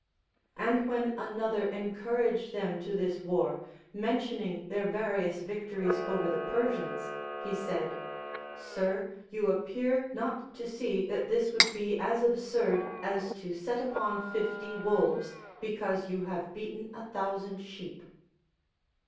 And when another encouraged them to this war, mentioning their various victories over the Persians, he said. Sir, you appear not to see that this would be as absurd as to set upon fifty wolves because you have beaten a thousand sheep.